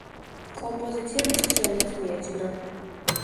კომპოზიცია მის ხსოვნას მიეძღვნა.